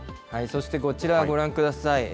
そしてこちら、ご覧ください。